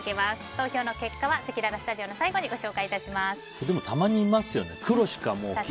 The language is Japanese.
投票の結果はせきららスタジオの最後にたまに、いますよね。